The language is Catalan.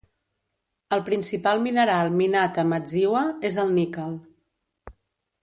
El principal mineral minat a Madziwa és el níquel.